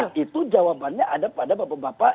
nah itu jawabannya ada pada bapak bapak